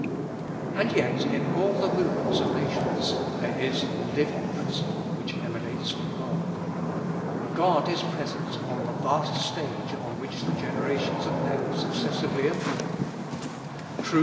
And yet in all the movements of nations, there is a living principle which emanates from God. God is present on the vast stage on which the generations of men successively appear. True!